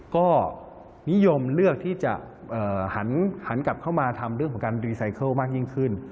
ก็นิยมเลือกที่จะหันกลับเข้ามาทำเรื่องของการรีไซเคิลมากยิ่งขึ้น